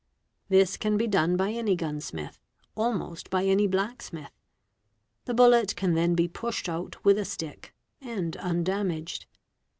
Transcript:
This can be done by any gunsmith, almost by any blacksmith; the bul let can then be pushed out with a stick—and undamaged.